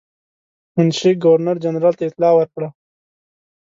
منشي ګورنر جنرال ته اطلاع ورکړه.